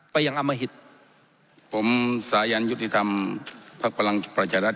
ไปยังอมหิตผมสายันยุติธรรมพักพลังประชารัฐ